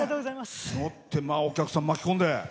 お客さんを巻き込んで。